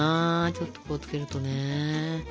ちょっとこう付けるとね。